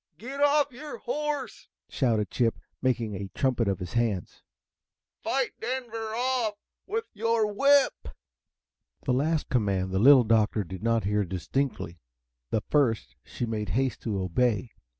"Get off your H O R S E!" shouted Chip, making a trumpet of his hands. "Fight Denver off with your whip!" The last command the Little Doctor did not hear distinctly. The first she made haste to obey.